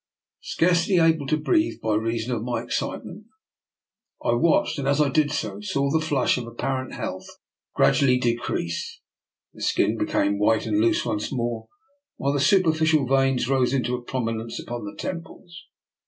Scarcely able to breathe by reason of my excitement, I watched, and as I did so I saw the flush of apparent health gradually de crease, the skin become white and loose once more, while the superficial veins rose into prominence upon the temples.